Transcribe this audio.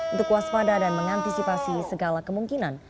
untuk waspada dan mengantisipasi segala kemungkinan